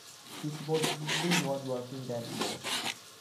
He supposedly was working that day.